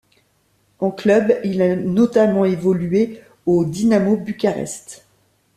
En club, il a notamment évolué au Dinamo Bucarest.